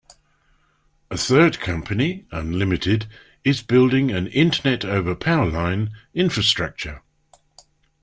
A third company Unlimited is building an internet-over-powerline infrastructure.